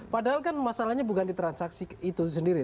padahal kan masalahnya bukan di transaksi itu sendiri